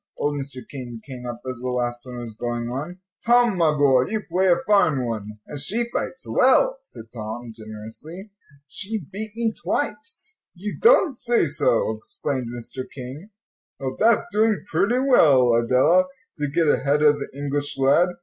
Old Mr. King came up as the last one was going on. "Tom, my boy, you play a fine one." "And she fights well," said Tom, generously. "She beat me twice." "You don't say so," exclaimed Mr. King. "Well, that's doing pretty well, Adela, to get ahead of the English lad.